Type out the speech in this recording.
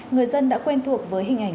người dân đã quen thuộc với hình ảnh